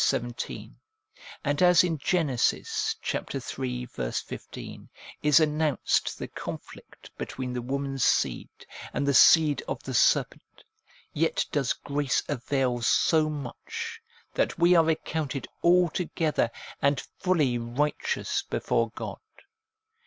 17, and as in Gen. iii. 15 is announced the conflict between the woman's Seed and the seed of the serpent, yet does grace avail so much, that we are accounted altogether and fully righteous before God.